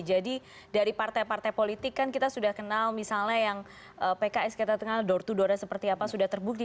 jadi dari partai partai politik kan kita sudah kenal misalnya yang pks kata tengah door to doornya seperti apa sudah terbukti